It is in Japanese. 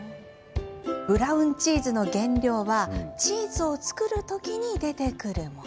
ブラウンチーズの原料はチーズを作る時に出てくるもの。